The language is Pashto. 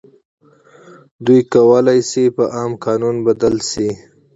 دوی کولای شي په عام قانون بدل شي.